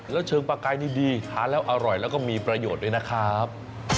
แล้วเชิงปลาไก่นี่ดีทานแล้วอร่อยแล้วก็มีประโยชน์ด้วยนะครับ